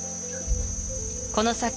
この先